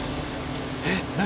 えっ何？